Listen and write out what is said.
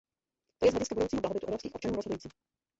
To je z hlediska budoucího blahobytu evropských občanů rozhodující.